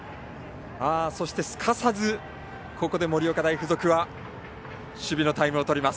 そして、すかさずここで盛岡大付属は守備のタイムをとります。